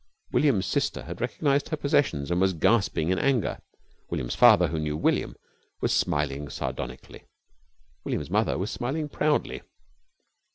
William's sister had recognised her possessions, and was gasping in anger. William's father, who knew William, was smiling sardonically. William's mother was smiling proudly.